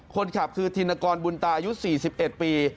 คนขับคือธินกรบุญตาอายุ๔๑ปี